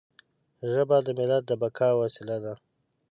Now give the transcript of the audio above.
ژبه د ملت د بقا وسیله ده.